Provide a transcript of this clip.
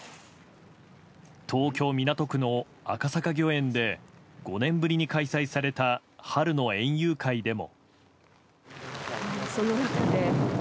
東京・港区の赤坂御苑で５年ぶりに開催された春の園遊会でも。